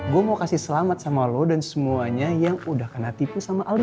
gue mau kasih selamat sama lo dan semuanya yang udah kena tipu sama albi